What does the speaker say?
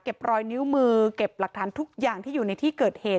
รอยนิ้วมือเก็บหลักฐานทุกอย่างที่อยู่ในที่เกิดเหตุ